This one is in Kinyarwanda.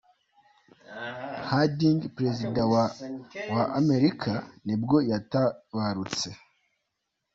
Harding, perezida wa wa Amerika nibwo yatabarutse.